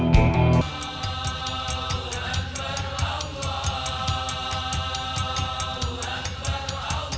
kamu sampai pasang